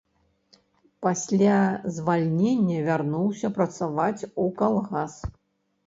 Пасля звальнення вярнуўся працаваць у калгас.